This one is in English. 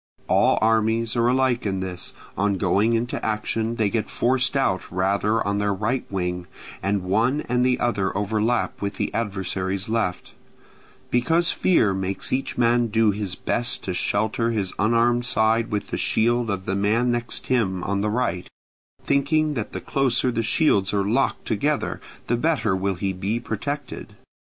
All armies are alike in this: on going into action they get forced out rather on their right wing, and one and the other overlap with this adversary's left; because fear makes each man do his best to shelter his unarmed side with the shield of the man next him on the right, thinking that the closer the shields are locked together the better will he be protected.